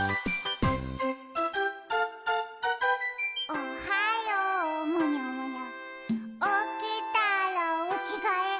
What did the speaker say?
「おはようむにゃむにゃおきたらおきがえ」